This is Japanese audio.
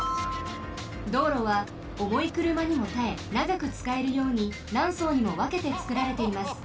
道路はおもいくるまにもたえながくつかえるようになんそうにもわけてつくられています。